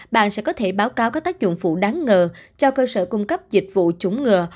bạn sẽ có thể báo cáo các tác dụng phụ đáng ngờ cho cơ sở cung cấp dịch vụ chống ngừa